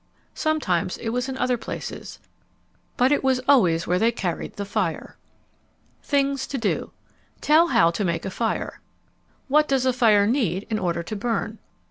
Sometimes it was in other places. But it was always where they carried the fire. THINGS TO DO Tell how to make a fire. _What does a fire need in order to burn?